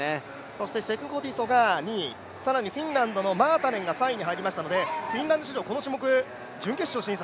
そしてセクゴディソが２位更にフィンランドのマータネンが３位に入りましたのでフィンランド史上、準決勝進出